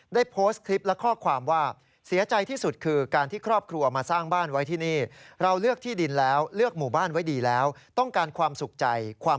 ได้โพสต์คลิปและข้อความว่า